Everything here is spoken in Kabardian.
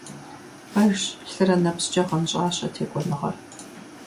Пэжщ, лъырэ нэпскӀэ гъэнщӀащ а текӀуэныгъэр.